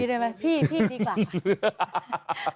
พี่ดีกว่า